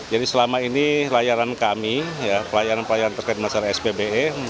jadi selama ini layanan kami ya pelayanan pelayanan terkait masyarakat spbe